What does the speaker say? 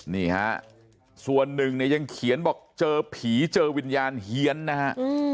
นี่ฮะส่วนหนึ่งเนี่ยยังเขียนบอกเจอผีเจอวิญญาณเฮียนนะฮะ